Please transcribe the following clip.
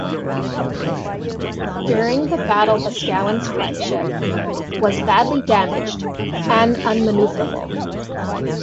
During the battle Boscawen's flagship, was badly damaged and un-manoeuvrable.